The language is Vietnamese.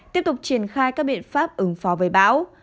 tiếp tục triển khai các biện pháp ứng phó với bão